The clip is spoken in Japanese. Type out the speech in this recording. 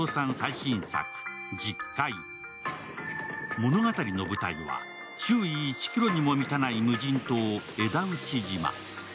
物語の舞台は、周囲１ｋｍにも満たない無人島枝内島。